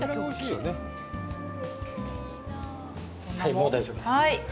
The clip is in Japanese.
もう大丈夫です。